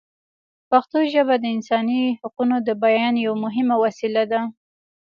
پښتو ژبه د انساني حقونو د بیان یوه مهمه وسیله ده.